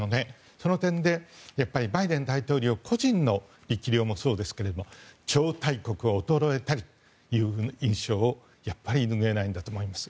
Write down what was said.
その点でバイデン大統領個人の力量もそうですけれども超大国衰えたりという印象がぬぐえないと思います。